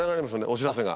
お知らせが。